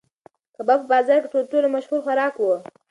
کباب په بازار کې تر ټولو مشهور خوراک و.